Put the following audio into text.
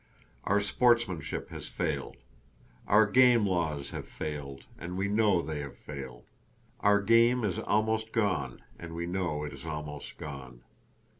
Our sportsmanship has failed. Our game laws have failed, and we know they have failed. Our game is almost gone, and we know it is almost gone.